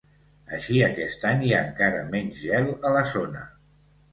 Així, aquest any hi ha encara menys gel a la zona.